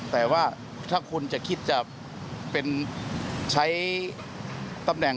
แต่ว่าถ้าคุณจะคิดจะเป็นใช้ตำแหน่ง